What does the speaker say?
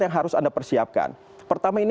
yang harus anda persiapkan pertama ini